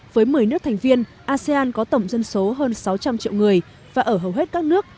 với một mươi nước thành viên asean có tổng dân số hơn sáu trăm linh triệu người và ở hầu hết các nước